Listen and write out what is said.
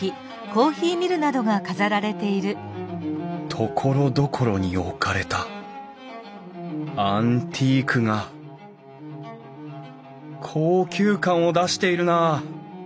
ところどころに置かれたアンティークが高級感を出しているなあ。